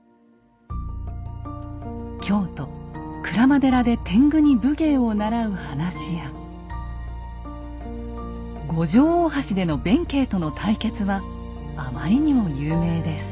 京都・鞍馬寺で天狗に武芸を習う話や五条大橋での弁慶との対決はあまりにも有名です。